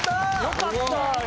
よかった！